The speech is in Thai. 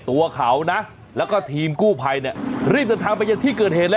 ตัวเขานะแล้วก็ทีมกู้ภัยเนี่ยรีบเดินทางไปยังที่เกิดเหตุเลย